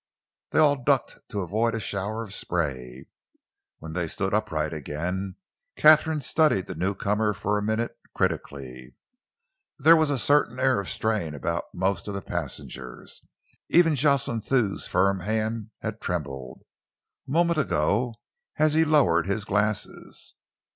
They all ducked to avoid a shower of spray. When they stood upright again, Katharine studied the newcomer for a minute critically. There was a certain air of strain about most of the passengers. Even Jocelyn Thew's firm hand had trembled, a moment ago, as he had lowered his glasses.